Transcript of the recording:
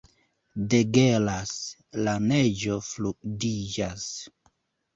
Degelas; la neĝo fluidiĝas.